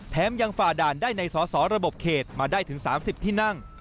ยังฝ่าด่านได้ในสอสอระบบเขตมาได้ถึง๓๐ที่นั่ง